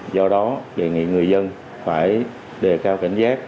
do đó đề nghị người dân phải đề cao cảnh giác